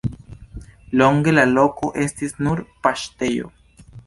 Longe la loko estis nur paŝtejo.